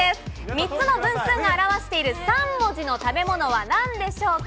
３つの分数が表している３文字の食べ物はなんでしょうか。